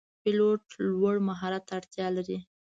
پیلوټ لوړ مهارت ته اړتیا لري.